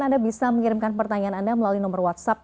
anda bisa mengirimkan pertanyaan anda melalui nomor whatsapp